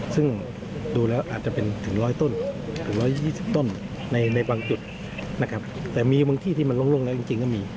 ซึ่งดูแล้วอาจจะเป็นถึง๑๐๐ต้นถึง๑๒๐ต้นในบางจุดนะครับแต่มีบางที่ที่มันโล่งแล้วจริงก็มี